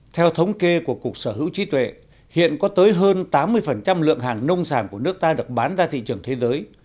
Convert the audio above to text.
theo thống kê của cục sở hữu trí tuệ hiện có tới hơn tám mươi lượng hàng nông sản của nước ta được bán ra thị trường thế giới